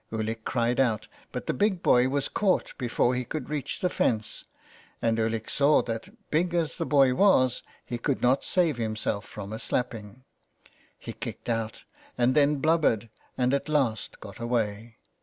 Ulick cried out, but the big boy was caught before he could reach the fence, and Ulick saw that, big as the boy was, he could not save himself from a slapping. He kicked out, and then blubbered, and at last got away.